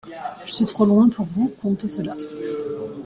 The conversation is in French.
Je suis trop loin pour vous conter cela.